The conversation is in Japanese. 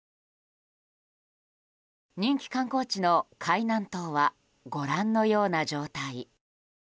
人気観光地の海南島はご覧のような状態。